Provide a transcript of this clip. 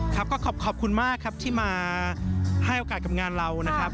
ครับก็ขอบคุณมากครับที่มาให้โอกาสกับงานเรานะครับ